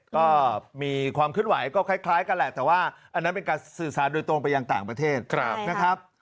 ก็มีความเคลื่อนไหวก็คล้ายกันแหละแต่ว่าอันนั้นเป็นการสื่อสารโดยตรงไปยังต่างประเทศนะครับ